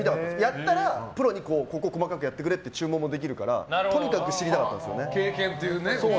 やったらプロにここ細かくやってくれって注文もできるからとにかく知りたかったんですよね。